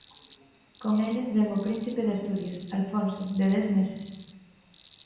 Con eles ven o príncipe de Asturias, Alfonso, de dez meses.